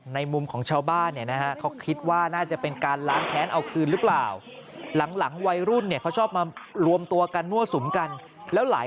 ในมุมของชาวบ้านเนี่ยนะฮะ